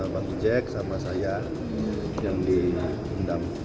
bang jack sama saya yang diundang